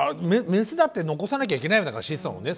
メスだって残さなきゃいけないわけだから子孫をね。